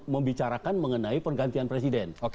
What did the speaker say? membicarakan mengenai pergantian presiden